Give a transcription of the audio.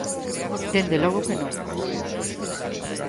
Dende logo que non.